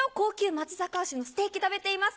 松坂牛のステーキ食べています。